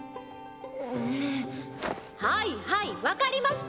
うぅはいはいわかりました。